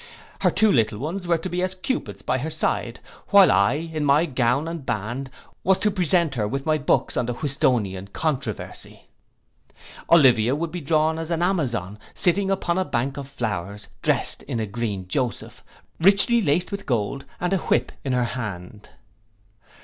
Her two little ones were to be as Cupids by her side, while I, in my gown and band, was to present her with my books on the Whistonian controversy. Olivia would be drawn as an Amazon, sitting upon a bank of flowers, drest in a green joseph, richly laced with gold, and a whip in her hand.